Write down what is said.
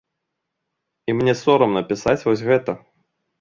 І мне сорамна пісаць вось гэта.